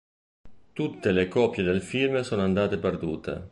Tutte le copie del film sono andate perdute.